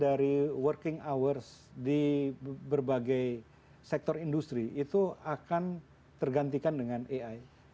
jadi working hours di berbagai sektor industri itu akan tergantikan dengan ai